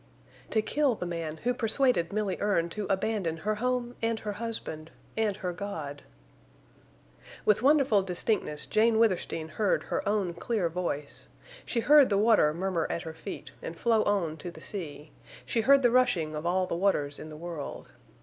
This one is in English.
"To kill the man who persuaded Milly Erne to abandon her home and her husband—and her God!" With wonderful distinctness Jane Withersteen heard her own clear voice. She heard the water murmur at her feet and flow on to the sea; she heard the rushing of all the waters in the world.